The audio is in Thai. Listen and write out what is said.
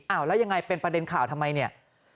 แล้วยังไงเป็นประเด็นข่าวทำไมเนี่ย